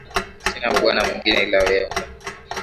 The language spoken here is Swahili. Sina Bwana mwingine ila wewe